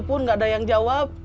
satupun gak ada yang jawab